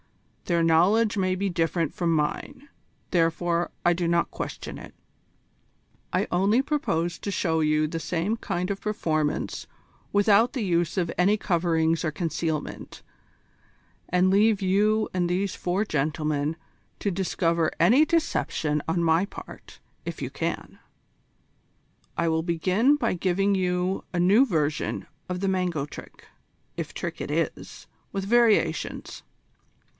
Their knowledge may be different from mine, therefore I do not question it. I only propose to show you the same kind of performance without the use of any coverings or concealment, and leave you and these four gentlemen to discover any deception on my part if you can. I will begin by giving you a new version of the mango trick, if trick it is, with variations.